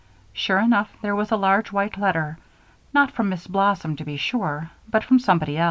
Sure enough, there was a large white letter, not from Miss Blossom to be sure, but from somebody.